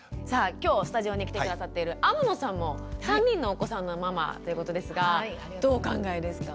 今日スタジオに来て下さっている天野さんも３人のお子さんのママということですがどうお考えですか？